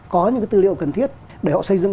có những cái tư liệu cần thiết để họ xây dựng